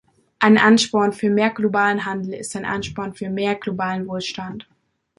Ein Ansporn für mehr globalen Handel ist ein Ansporn für mehr globalen Wohlstand.